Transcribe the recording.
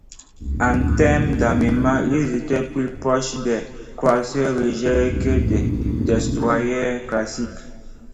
En terme d'armement, ils étaient plus proches des croiseurs légers que des destroyers classiques.